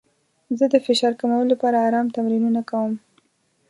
زه د فشار کمولو لپاره ارام تمرینونه کوم.